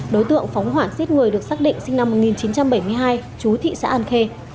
đối tượng phóng hoảng giết người được xác định sinh năm một nghìn chín trăm bảy mươi hai chú thị xã an khê